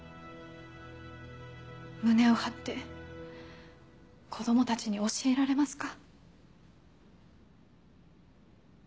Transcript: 胸を張って子供たちに教えられますか？